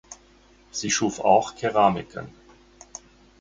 Sie schuf auch Keramiken.